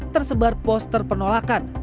tersebar poster penolakan